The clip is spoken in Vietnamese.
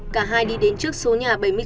cả hai đi đến trước số nhà bảy mươi chín